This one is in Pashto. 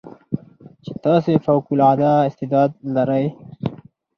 چې تاسې فوق العاده استعداد لرٸ